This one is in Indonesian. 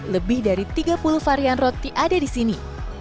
lebih dari tiga puluh varian roti ada di sini